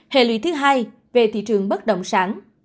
hệ lụy thứ hai về thị trường bất động sản